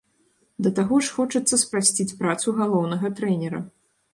Да таго ж хочацца спрасціць працу галоўнага трэнера.